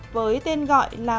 với tên gọi là